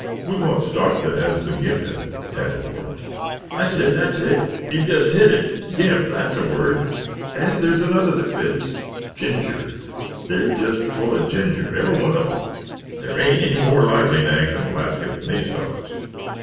We want stock that has the gimp in it," Tad informed him. "That's it, that's it. You've just hit it. Gimp! That's the word, and there's another that fits ginger! They're just full of ginger, every one of them. There ain't any more lively nags in Alaska than these fellows."